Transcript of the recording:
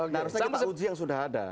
nah harusnya kita uji yang sudah ada